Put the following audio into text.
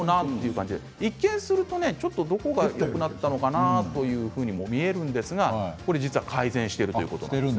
一見するとどこがよくなったのかな？というふうにも見えるんですが実は、改善しているということなんです。